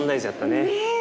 ねえ。